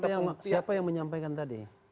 ingat nggak siapa yang menyampaikan tadi